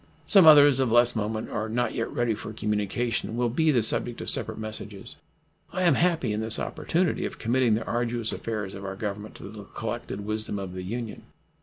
Some others of less moment or not yet ready for communication will be the subject of separate messages. I am happy in this opportunity of committing the arduous affairs of our Government to the collected wisdom of the Union.